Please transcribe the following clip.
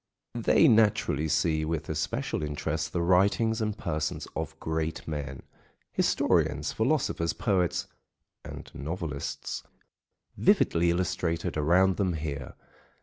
They naturally see with especial interest the writings and persons of great men—historians, philosophers, poets, and novelists, vividly illustrated around them here.